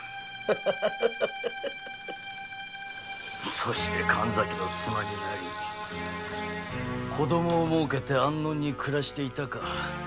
そして神崎の妻になり子供をもうけて安穏に暮らしていたか。